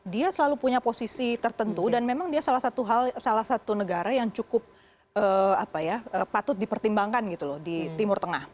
dia selalu punya posisi tertentu dan memang dia salah satu negara yang cukup patut dipertimbangkan gitu loh di timur tengah